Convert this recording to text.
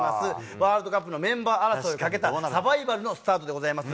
ワールドカップのメンバー争いをかけたサバイバルのスタートでございます。